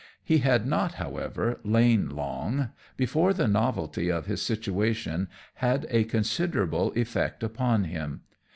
He had not, however, lain long before the novelty of his situation had a considerable effect upon him.